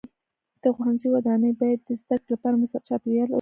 د ښوونځي ودانۍ باید د زده کړې لپاره مناسب چاپیریال ولري.